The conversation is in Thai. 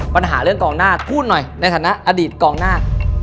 ปัญหาเรื่องกองหน้าพูดหน่อยในฐานะอดีตกองหน้า